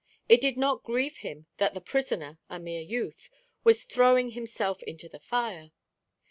It did not grieve him that the prisoner, a mere youth, "was throwing himself into the fire."